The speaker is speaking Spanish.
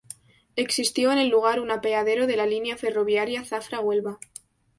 Existió en el lugar un apeadero de la línea ferroviaria Zafra-Huelva.